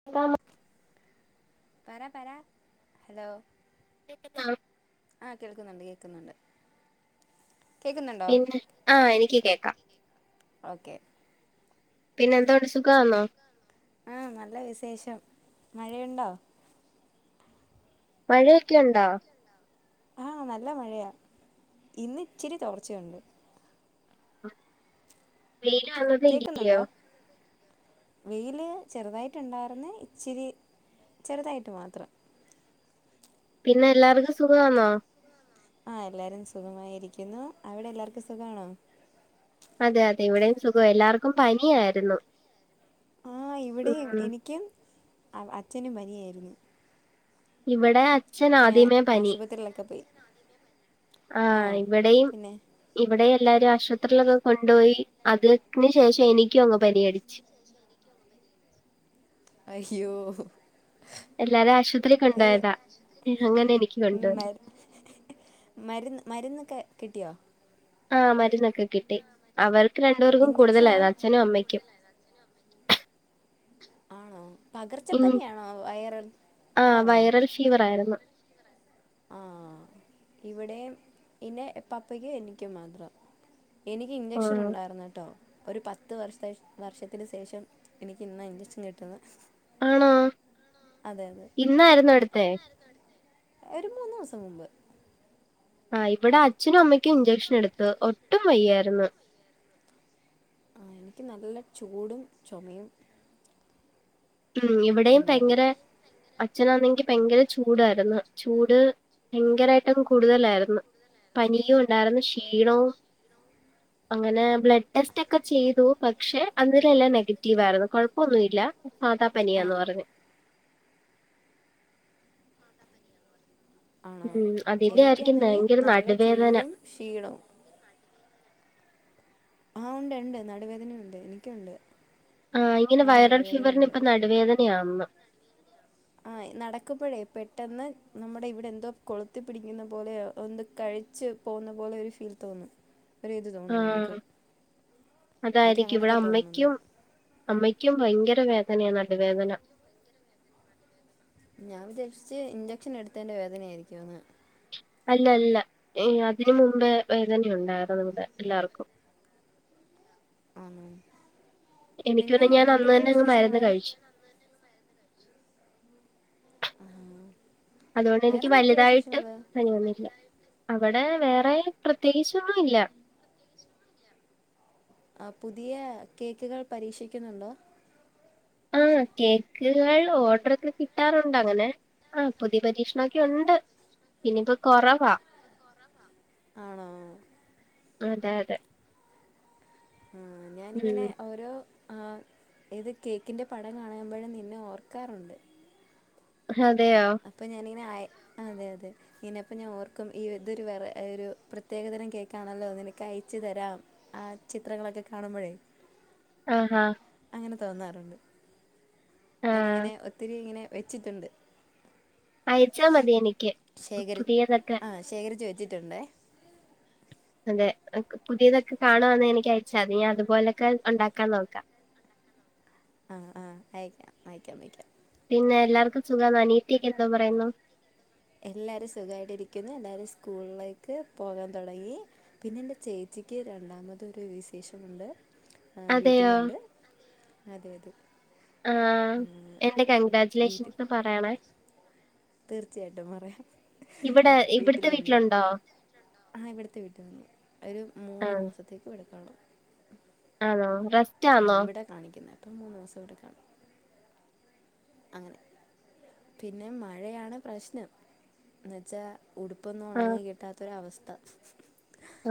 [unintelligible] പരാ പരാ ഹലോ [unintelligible] ആഹ് കേൾക്കുന്നുണ്ട് കേൾക്കുന്ന്ണ്ട് പിന്നെ ആഹ് എനിക്ക് കേക്കാം ഓക്കെ പിന്നെ എന്തോണ്ട് സുഖാന്നോ ആഹ് നല്ല വിസേഷം മഴയുണ്ടോ? മഴയൊക്കെയുണ്ടോ? ആഹ് നല്ല മഴയാ ഇന്ന് ഇച്ചിരി തോർച്ചയുണ്ട് വെയിലാണ് കേക്കുന്നുണ്ടോ? വെയില് ചെറുതായിട്ട്ണ്ടാർന്ന് ഇച്ചിരി ചെറുതായിട്ട് മാത്രം പിന്നെ എല്ലാവർക്കും സുഖവാന്നോ? ആഹ് എല്ലാരും സുഖമായിരിക്കുന്നു അവിടെ എല്ലാവർക്കും സുഖാണോ? അതെ അതെ ഇവിടെയും സുഖം എല്ലാവർക്കും പനിയായിരുന്നു ആഹ് ഇവിടെയും ഉം എനിക്കും അച്ഛനും പനിയായിരുന്നു ഇവടെ അച്ഛന് ആദ്യമേ പനി ത്തിലെക്കെ പോയി ആ ആഹ് ഇവടെയും പിന്നെ ഇവിടെം എല്ലാരും ആശുപത്രിയിലൊക്കെ കൊണ്ടോയി അതിന് ശേഷം എനിക്കുവങ്ങ് പനിയടിച്ചു അയ്യോ! എല്ലാരേം ആശുപത്രിയി ഏ, കൊണ്ടോയതാ അങ്ങനെ എനിക്ക് ഉം കൊണ്ടുവന്നു മരു മരുന്ന് മരുന്നൊക്കെ കിട്ടിയോ? ആഹ് മരുന്നൊക്കെ കിട്ടി അവർക്ക് രണ്ടുപേർക്കും ഇഞ്ചക്ഷനാ കൂടുതലായിര്ന്നു അച്ഛനും അമ്മയ്ക്കും ആണോ? പകർച്ച ഉം പ്പനിയാണോ വൈറൽ അതാണോ? ഫീവറായിരുന്നു ആഹ് ഇവിടെയും പിന്നെ പപ്പയ്ക്കും എനിക്കും മാത്രം എനിക്ക് ആഹ് ഇഞ്ചക്ഷനുണ്ടായിരുന്ന്ട്ടോ? ഒരു പത്ത് വർഷ വർഷത്തിന് സേഷം എനിക്ക് ഇന്നാ ഇഞ്ചെക്ഷൻ കിട്ടുന്നേ ആണോ? അതെ അതെ ഇന്നായിരുന്നോ എടുത്തെ? ഒര് മൂന്ന് ദിവസം മുമ്പ് ആഹ് ഇവടെ അച്ഛനും അമ്മയ്ക്കും ഇഞ്ചക്ഷനെടുത്ത് ഒട്ടും വയ്യായിരുന്നു ആഹ് എനിക്ക് നല്ല ചൂടും ചൊമയും ഉം ഇവിടെയും ഉണ്ടായിരുന്നു ഭയങ്കര അച്ഛനാന്നെങ്കി ഭയങ്കര ചൂടായിരുന്നു ചൂട് ഭയങ്കരായിട്ടങ്ങ് കൂടുതലായിരുന്നു പനിയും ഒണ്ടായിരുന്നു ക്ഷീണവും അങ്ങനെ ബ്ലഡ് ടെസ്റ്റ് ഒക്കെ ചെയ്തു പക്ഷെ അന്നേരവെല്ലാം നെഗറ്റീവായിരുന്നു കൊഴപ്പൊന്നുവില്ല സാധാ ആ പനിയാന്ന് പറഞ്ഞു ആണോ? ഉം അതിന്റെ ആയിരിക്കും എനിക്കാണെങ്കി ഭയങ്കര നല്ല നടുവേദന. ചൂടും ക്ഷീണവും ആഹ് ഉണ്ട് ഉണ്ട് നടുവേദനയുണ്ട് എനിക്കുണ്ട് ആഹ് ഇങ്ങനെ നല്ല വൈറൽ നടുവേദനയുണ്ട് ഫീവറിനിപ്പം നടുവേദനയാന്ന് ആഹ് നടക്കുമ്പഴേ പെട്ടെന്ന് നമ്മുടെ ഇവിടെന്തോ കൊളുത്തി പിടിക്കുന്ന പോലെയോ ഒന്ന് കഴിച്ച് പോവുന്ന പോലെ ഒരു ഫീൽ തോന്നും ഒരു ഇത് തോന്നും നമുക്ക് ആഹ് എനിക്ക് അതായിരിക്കും ഇവിടെ അങ്ങനെയൊക്കെ തോന്നുന്നുണ്ട് അമ്മയ്ക്കും അമ്മയ്ക്കും ഭയങ്കര വേദനയ നടുവേദന ഞാൻ വിചാരിച്ച് ഇഞ്ചക്ഷൻ എടുത്തേന്റെ വേദനയായിരിയ്ക്കൂന്ന് അല്ല അല്ല ഏഹ് അതിന് മുമ്പേ വേദനയുണ്ടായിരുന്നു ഇവടെ എല്ലാവർക്കും ആണോ? എനിക്ക് പിന്നെ ഞാൻ അന്ന് വേറെന്തൊക്കെ തന്നെ അങ്ങ് മരുന്ന് വിസേഷങ്ങള്? കഴിച്ചു. അതുകൊണ്ട് എനിക്ക് വേറെന്തൊക്കെയാ വലുതായിട്ട് വിശേഷങ്ങൾ പനി വന്നില്ല അവിടെ വേറെ പ്രത്യേകിച്ചൊന്നുവില്ല [inaudible] ആഹ് പുതിയ കേക്ക്കൾ പരീക്ഷിക്കുന്നുണ്ടോ ആഹ് കേക്ക്കൾ ഓർഡ്രക്കെ കിട്ടാറുണ്ട് അങ്ങനെ ആഹ് പുതിയ പരീക്ഷണൊക്കെയുണ്ട് പിന്നിപ്പൊ കൊറവാ ആണോ അതെ അതെ ആഹ് ഉം. ഞാനിങ്ങനെ ഓരോ ആഹ് ഏത് കേക്കിൻ്റെ പടം കാണുമ്പഴും നിന്നെ ഓർക്കാറൊണ്ട് ഇഹ് അതെയോ അപ്പ ഞാനിങ്ങനെ ആയി അതെ അതെ ഇങ്ങെനെ അപ്പ ഞാൻ ഓർക്കും ഈ ഇതൊരു വെറ ഒരു പ്രത്യേകതരം കേക്കാണല്ലോ നിനക്ക് അയച്ച് തരാം ആ ചിത്രങ്ങളൊക്കെ കാണുമ്പഴേ ആഹ് ആഹ് അങ്ങനെ തോന്നാറുണ്ട്. ആ. ഞാനങ്ങനെ ഒത്തിരി ഇങ്ങനെ വെച്ചിട്ടുണ്ട് അയച്ചാ മതി എനിക്ക് ശേഖരി പുതിയതൊക്കെ ആഹ് ശേഖരിച്ച് വെച്ചിട്ടുണ്ടേ അതെ എ ക് പുതിയതൊക്കെ കാണാന്നെ എനിക്ക് അയച്ചാതി ഞാൻ അതുപോലെക്കെ ഉണ്ടാക്കാൻ നോക്ക ആഹ് ആഹ് അയക്ക്യാം അയക്ക്യാം അയക്ക്യം പിന്നെ എല്ലാർക്കും സുഖാന്നോ അനിയത്തിയെക്കെ എന്തോ പറയുന്നു എല്ലാരും സുഖായിട്ട് ഇരിക്കുന്നു. എല്ലാരും സ്കൂളിലേക്ക് പോകാൻ തൊടങ്ങി. പിന്നെ എന്റെ ചേച്ചിക്ക് രണ്ടാമത് ഒരു വിശേഷമുണ്ട് ഏഹ് അതെയോ വീട്ടിലുണ്ട്. അതെ അതെ ആ ഉം ഉം എന്റെ വീട്ടി കൺഗ്രാജുലേഷൻസ് പറയണേ തീർച്ചയായിട്ടും പറയാം ഇവിടെ ഇവിടുത്തെ വീട്ടിലുണ്ട് വീട്ടിലുണ്ടോ ആഹ് ഇവിട്ത്തെ വീട്ടിൽ നിന്ന് ഒരു ആ മൂന്ന് മാസത്തേക്ക് [unintelligible] ആണോ റെസ് ഉം ഇവിടെ കാണിക്കുന്നെ അപ്പം മൂന്ന് മാസം ഇവിടെ കാണും അങ്ങനെ. പിന്നെ മഴയാണ് പ്രശ്നം എന്ന് വെച്ചാ ഉടുപ്പൊന്നും ആ ഒണങ്ങി കിട്ടാത്ത ഒര് അവസ്ഥ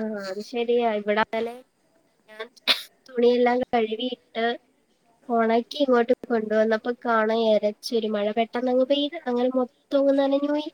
ആഹ് അത് ശരിയാ ഇവിടങ്ങനെ ഞാൻ തുണിയെല്ലാം കഴുകിയിട്ട് ഓണക്കി ഇങ്ങോട്ട് കൊണ്ട് വന്നപ്പക്കാണ് എരച്ച് ഒരു മഴ. പെട്ടെന്ന് അങ്ങ് പെയ്ത് അങ്ങനെ മൊത്തം അങ്ങ് നനഞ്ഞ് പോയി.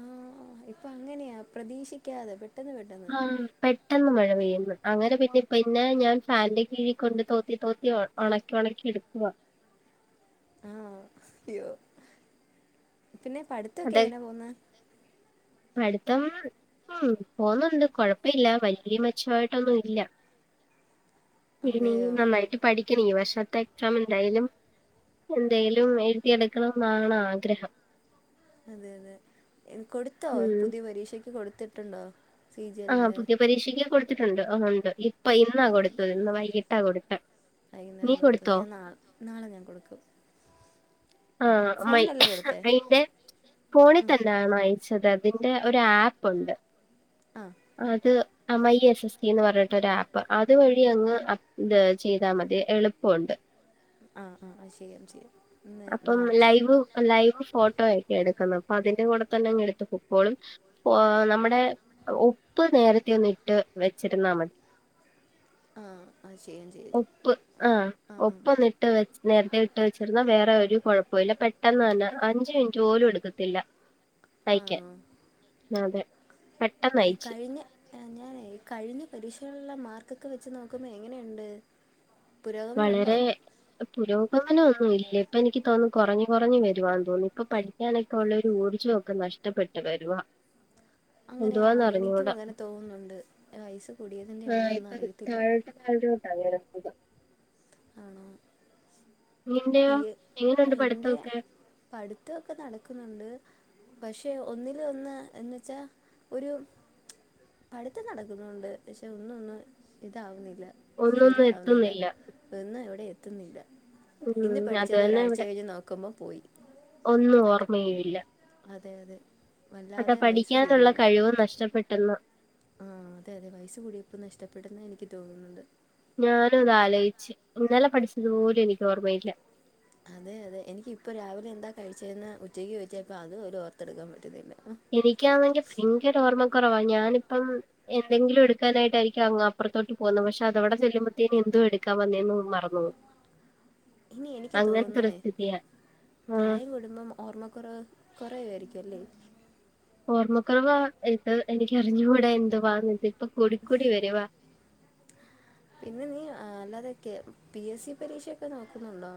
ആഹ് ഇപ്പ അങ്ങനെയാ പ്രതീക്ഷിക്കാതെ പെ ആന്ന് പെട്ടെന്ന് മഴ പെയ്യ്ന്ന് അങ്ങനെ പിന്നെ പിന്നെ ഞാൻ ഫാന് ന്റെ കീഴിക്കൊണ്ട് തോത്തി തോത്തി ഒ ഒണക്കി ഒണക്കി എട്ക്കുവാ ആഹ് ഇയ്യോ പിന്നെ പഠിത്തഒക്കെ അത് എങ്ങനെ പോക്ന്ന് പഠിത്തം ഉം പോവ്ന്നുണ്ട് കൊഴപ്പ ഇല്ല വല്ല്യെ മെച്ച ആയിട്ടൊന്നും ഇല്ല ഇനി അതെയോ നന്നായിട്ട് പഠിക്ക്നി ഈ വർഷത്തെ എക്സാമിന് എന്തായാലും എന്തെലും എഴുതിയെട്ക്കണം എന്നാണ് ആഗ്രഹം അതെ അതെ കൊടുത്തോ ഉം പുതിയ പരീക്ഷക്ക് കൊടുത്തിട്ടുണ്ടോ സി ജി ആഹ് ആഹ് എല്ലിൻ്റെ പുതിയ പരീക്ഷയ്ക്ക് കൊടുത്തിട്ടുണ്ട് ആഹ് ഉണ്ട് ഇപ്പൊ ഇന്നാ കൊടുത്തത് ഇന്ന് വൈകിട്ടാ കൊടുത്തേ വൈകുന്നേരം കൊടുത്തു ഞാൻ നാൾ നാളെ ഞാൻ കൊടുക്കും ആഹ് അമ്മയ് ഫോണിലല്ലേ കൊടുത്തേ അയിന്റെ ഫോണി ഉം, തന്നാണോ അയച്ചത് അതിന്റെ ഒരു ആപ്പ്ണ്ട് ആഹ് അത് അമൈ എസ് എസ് കി എന്ന് പറഞ്ഞിട്ടൊരു ആപ്പ് അതുവഴി അങ്ങ് അപ് ത് ചെയ്താൽ മതി എളുപ്പോണ്ട് ആഹ് ആഹ് അതും ചെയ്യാം ചെയ്യാം ഇന്ന് അപ്പം നാളെ ചെയ്യാം ലൈവ് ലൈവ് ഫോട്ടോയൊക്കെ എടുക്കുന്നെ പ്പൊ അതിന്റെ കൂടെ തന്നെ അങ്ങ് എടുത്ത് പൊക്കോളും ഓ നമ്മുടെ ഒപ്പ് നേരത്തെ ഒന്ന് ഇട്ട് വെച്ചിരുന്നാൽ മതി ആ അത് ചെയ്യാം ചെയ്യാം ഒപ്പ് ആഹ് ആ ആ ഒപ്പ് നി ട്ടവെച്ച് നേരത്തെ ഇട്ട് വച്ചിരുന്ന വേ റേ ഒരു കുഴപ്പോല്ല പെട്ടെന്ന് തന്നെ അഞ്ചു മിനിറ്റ് പോലും എടുക്കത്തില്ല അയക്കാൻ ആണോ ആഹ് അതെ പെട്ടെന്നയിച്ച് ആഹ് ഞാനെ കഴിഞ്ഞ പരീക്ഷകളിലെ മാർക്കൊക്കെ വെച്ച് നോക്കുമ്പോ എങ്ങനെയുണ്ട് പുരോഗമനമുണ്ടോ വളരെ പുരോഗമനം ഒന്നും ഇല്ല ഇപ്പ എനിക്ക് തോന്നു കൊറഞ്ഞ് കൊറഞ്ഞ് വരുവാന്ന് തോന്നുന്നു ഇപ്പൊ പഠി ക്കാനൊക്കെ ഉള്ളൊരു ഊർജവൊക്കെ നഷ്ടപ്പെട്ടു വരുവാ അങ്ങനെയാണോ എന്തുവാന്ന് എനിക്കും അറിഞ്ഞൂടാ അങ്ങനെ തോന്നുന്നുണ്ട് വയസ്സ് കൂടിയതിൻ്റെ ആണോ ആഹ് എന്ന് ഇപ്പൊ അറിയത്തില്ല താഴോട്ട് താഴോട്ട നേരെ പോക ആണോ നിന്റെയോ പി എങ്ങനെയുണ്ട് എന്റെ പഠിത്തമൊക്കെ പഠിത്തോക്കെ നടക്കുന്നുണ്ട് പക്ഷെ ഒന്നില് ഒന്ന് എന്ന്‌ വെച്ചാ ഒരു പഠിത്തം നടക്കുന്നുണ്ട് പക്ഷെ ഒന്നൊന്ന്‌ ഇതാവുന്നില്ല ഒന്നൊന്നും ശരിയാവുന്നില്ല എത്തുന്നില്ല ഒന്ന് എവിടെ എത്തുന്നില്ല ഇന്ന് ഉം അത് പഠിച്ചത് തന്നെ ഒരാഴ്ച ഇവിടെ കഴിഞ്ഞ് നോക്കുമ്പോ പോയി ഒന്നും ഓർമ്മയും ഇല്ല അതെ അതെ അത വല്ലാതെ വയസ്സ് പഠിക്കാനുള്ള കഴിവും നഷ്ടപ്പെട്ട്ന്ന് ആഹ് അതെ അതെ വയസ് കൂടിയപ്പൊ നഷ്ടപ്പെടുന്നാ എനിക്ക് തോന്നുന്നുണ്ട് ഞാനും അത് ആലോയിച്ച് ഇന്നലെ പഠിച്ചതുപോലും എനിക്ക് ഓർമ്മയില്ല അതെ അതെ എനിക്കിപ്പോ രാവിലെ എന്താ കഴിച്ചെന്ന് ഉച്ചയ്ക്ക് ചോയ്ച്ച പ്പൊ അത് പോലും ഓർത്തെടുക്കാൻ പറ്റുന്നില്ല എനിക്കാണെങ്കി ഭയങ്കര ഓർമ്മ കുറവാ ഞാനിപ്പം എന്തെങ്കിലും എടുക്കാനായിട്ടായിരിക്കും അങ്ങ് അപ്പുറത്തോട്ട് പോകുന്നേ പക്ഷെ അതവടെ ചെല്ലുമ്പത്തേന് എന്തുവാ എടുക്കാ വന്നേന്ന് മറന്ന്‌ പോവും [inaudible] ഇനി എനിക്ക് തോന്നുന്നേ ആ പ്രായം കൂടുമ്പം ഓർമ്മക്കുറവ് കൊറയുവായിരിക്കും അല്ലെ ഓർമ്മക്കുറവ ഇത് എനിക്കറിഞ്ഞുകൂടാ എന്തുവാന്നിത് ഇപ്പ കൂടിക്കൂടി വരുവാ [inaudible] പിന്നെ നീ അല്ലാതൊക്കെ പി എസ്സി പരീക്ഷൊക്കെ നോക്കുന്നുണ്ടോ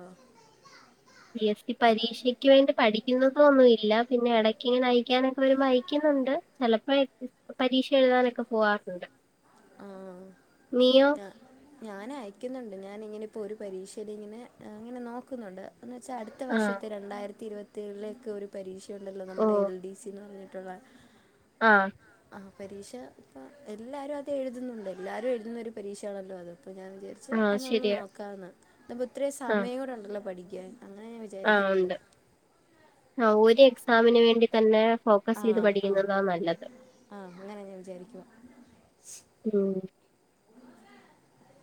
പി എസ്സി പരീക്ഷയ്ക്ക് വേണ്ടി പഠിക്കുന്നൊന്നുംല്ലാ പിന്നെ ഇടക്ക് ഇങ്ങനെ അയക്കാനൊക്കെ വരുമ്പോ അയക്കുന്നുണ്ട് ചിലപ്പോയോക്കേ പരീക്ഷ എഴുതാനൊക്കെ പോകാറുണ്ട് നീയോ ഞാനയക്കുന്നുണ്ട് ഞാനിങ്ങനെപ്പോ ഒരു പരീക്ഷയിലിങ്ങനെ ങ്ങനെ നോക്കുന്നുണ്ട് എന്ന് വെച്ചാ അടുത്ത ആ വർഷത്തെ രണ്ടായിരത്തി ഇരുവത്തേഴിലേക്ക് ഒരു പരീക്ഷയുണ്ടല്ലോ ഓ നമ്മുടെ എൽ ഡി സിന്ന് പറഞ്ഞിട്ടുള്ള ആഹ് ആഹ് പരീക്ഷ പ്പൊ എല്ലാരും അത് എഴതുന്നുണ്ട് എല്ലാരും എഴുന്ന ഒരു പരീക്ഷയാണല്ലോ അത് അപ്പൊ ഞാൻ വിചാരി ച്ച് ആ അതൊന്ന് ശരിയാ നോക്കാന്ന് ഇതുപ്പോ ഇത്രയും സമയം കൂടെ ഉണ്ടല്ലോ പഠിക്കാൻ അങ്ങനെ ഞാൻ ആഹ് വിചാരിക്കുന്നുണ്ട് ഉണ്ട് ആഹ് ഒരു എക്സാമിന് വേണ്ടി തന്നെ ആ ഫോക്കസൈത് ആ പഠിക്കുന്നതാ നല്ലത് ആ അങ്ങനെ ഞാൻ വിചാരിക്കുക ഉം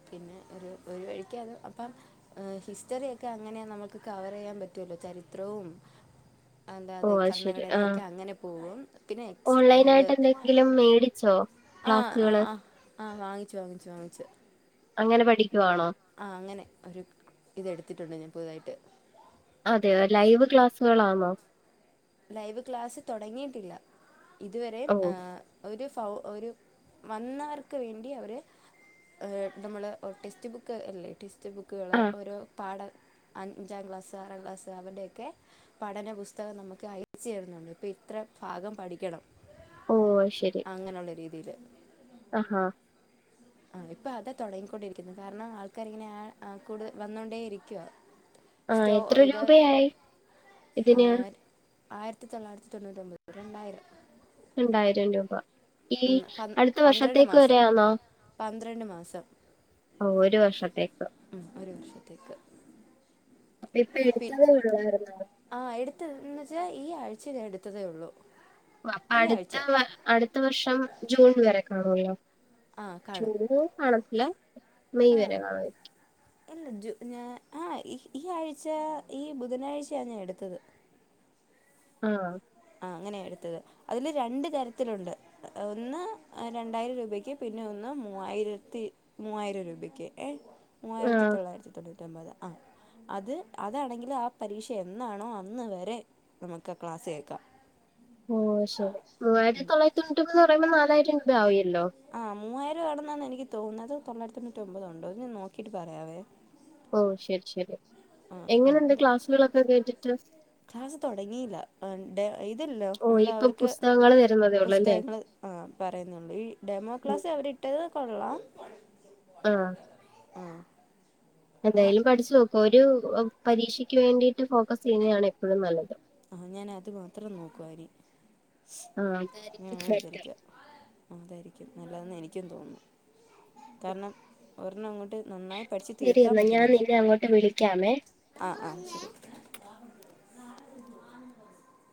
പിന്നെ ഒരു ഒരു വഴിക്ക് അതും അപ്പം ഹിസ്റ്ററിയൊക്കെ അങ്ങനെ നമുക്ക് കവറെയ്യാൻ പറ്റോല്ലോ ചരിത്രവും അന്താ ഓ അത അത് ശരി ആ ഭരണഘടനയൊക്കെ അങ്ങനെ പോകും പിന്നേ ഓൺലൈനായിട്ട് എന്ത്‌ എന്തെങ്കിലും മേടിച്ചോ ആഹ് ആഹ് ക്ലാസ്സുകള് ആഹ് ആഹ് വാങ്ങിച്ചു വാങ്ങിച്ചു വാങ്ങിച്ചു അങ്ങനെ പഠിക്കുവാണോ ആഹ് അങ്ങനെ ഒരു ഇതെടുത്തിട്ടുണ്ട് ഞാൻ പുതുതായിട്ട് അതെയൊ ലൈവ് ക്ലാസ്സുകളാണോ ലൈവ് ക്ലാസ്സ് തൊടങ്ങിയിട്ടില്ല ഇതുവരെ ഓ ഒരു ഫൗ ഒരു വന്നവർക്ക് വേണ്ടി അവര് - നമ്മള് ടെക്സ്റ്റ് ബുക്ക് അല്ലേ ടെക്സ്റ്റ് ബുക്കുകള് ആ ഓരോ പാഠ അഞ്ചാം ക്ലാസ് ആറാം ക്ലാസ് അവരുടെയൊക്കെ പഠന പുസ്തകം നമുക്ക്- ഒക്കെ അയച്ചു തരുന്നുണ്ട് ഇപ്പൊ ഇത്ര ഭാഗം പഠിക്കണം ഓ ശരി അങ്ങനെയുള്ള രീതിയില് അ ആഹാ ആ ഇപ്പൊ അതാ തൊടങ്ങിക്കൊണ്ടിരിക്കുന്നു കാരണം ആൾക്കാർ ഇങ്ങനെ കൂടുത വന്നോണ്ടേയിരിക്കുവ ആഹ് എത്ര രൂപയായി ഇതിന് ആയിരത്തി തൊള്ളായിരത്തി തൊണൂറ്റൊൻമ്പത് രണ്ടായിരം രണ്ടായിരം രൂപ ഈ ഉം, പന്- അടുത്ത പന്ത്രണ്ട് വർഷത്തേക്ക് മാസം വരെ ആണോ പന്ത്രണ്ട് മാസം ഓ ഒരു വർഷത്തേക്ക് ഉം ഒരു വർഷത്തേക്ക് അപ്പൊ ഇപ്പൊ എടുത്തതെ ഉള്ളായിരുന്നോ ആഹ് എടുത്തന്ന് വച്ചാൽ ഈ ആഴ്ച ഞാൻ അടുത്തതേ ഉള്ളൂ ഓ അപ്പൊ ഈ അടുത്ത ആഴ്ച വ അടുത്ത വർഷം ജൂൺ വരെ കാണുവല്ലോ ആ കാണും ജൂണ് കാണത്തില്ല മെയ് വരെ കാണും അല്ല ജു ഞാൻ ആഹ് ഈ ആഴ്ച ഈ ബുധനാഴ്ചയാണ് ഞാൻ എടുത്തത് ആഹ് ആഹ് അങ്ങനെയ എടുത്തത് അതില് രണ്ട് തരത്തിലുണ്ട് ഒന്ന് രണ്ടായിരം രൂപയ്ക്ക് പിന്നെ ഒന്ന് മൂവായിരത്തി- മൂവായിരം രൂപയ്ക്ക് ഏ ആ മൂവായിരത്തി തൊള്ളായിരത്തി തൊണ്ണൂറ്റി ഒമ്പത് ആഹ് അത് അതാണെങ്കിൽ ആഹ് പരീക്ഷ എന്നാണോ അന്ന് വരെ നമുക്ക് ആഹ് ക്ലാസ് കേൾക്കാം ഓ ശരി മൂവായിരത്തി തൊള്ളര തൊണിപ്പന്ന് പറയുമ്പോ നാലായിരം രൂപ ആവിയല്ലോ ആഹ മൂവായിരം ആണെന്നാണ് എനിക്ക് തോന്നുന്നത് തൊള്ളായിര തൊണ്ണൂറ്റി ഒമ്പത്ണ്ടോ ഞാൻ നോക്കിയിട്ട് പറയാവേ ഓ ശരി ശരി ആ ആ എങ്ങനെയുണ്ട് അതെ ക്ലാസ്സുകളൊക്കെ കേട്ടിട്ട് ക്ലാസ് തൊടങ്ങിയില്ല ഇതല്ലോ ഓ നമ്മള് ഇപ്പൊ അവർക്ക് - പുസ്തകങ്ങൾ തരുന്നതേ ഉള്ളൂ അല്ലേ ആഹ് പറയുന്നുള്ളൂ ഈ ഡെമോ ഉം. ക്ലാസ് അവരിട്ടത് കൊള്ളാം ആഹ് ആഹ് എന്തായാലും പഠിച്ചു നോക്കോ ഒരു പരീക്ഷക്ക് വേണ്ടിയിട്ട് ഫോക്കസ് ചെയ്യുന്നതാണ് എപ്പോഴും നല്ലത് ആഹ് ഞാന് അത് മാത്രം നോക്കുവാ ഇനി ആഹ് ഞാൻ അതായിരിക്കും അങ്ങനെ ബെറ്റർ വിചാരിക്കുക അതായിരിക്കും നല്ലതെന്ന് എനിക്കും തോന്നുന്നു കാരണം ഒരെണം അങ്ങോട്ട്- നന്നായി പഠിച്ച് ശരി തീർക്കാൻ എന്നാ ഞാൻ പറ്റുന്നില്ല നിന്നെ അങ്ങോട്ട് വിളിക്കാമേ ആഹ് ആഹ് ശരി ഇ [unintelligible]